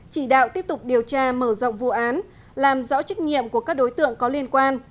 chỉ đạo tiếp tục điều tra mở rộng vụ án làm rõ trách nhiệm của các đối tượng có liên quan